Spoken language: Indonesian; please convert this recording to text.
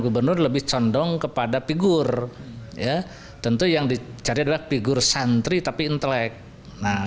gubernur lebih condong kepada figur ya tentu yang dicari adalah figur santri tapi intelek nah